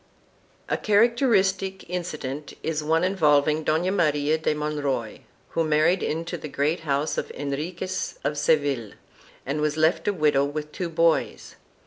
4 A characteristic incident is one involving Dona Maria de Mon roy, who married into the great house of Henriquez of Seville, and was left a widow with two boys.